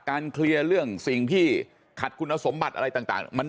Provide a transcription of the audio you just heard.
เคลียร์เรื่องสิ่งที่ขัดคุณสมบัติอะไรต่าง